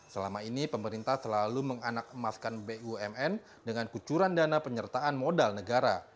selama ini pemerintah selalu menganak emaskan bumn dengan kucuran dana penyertaan modal negara